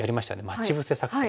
待ち伏せ作戦。